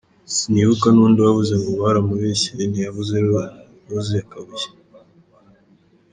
Sinibuka n’undi wavuze ngo baramubeshyeye ntiyavuze Rose Kabuye!